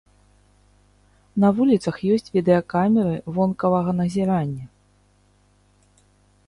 На вуліцах ёсць відэакамеры вонкавага назірання.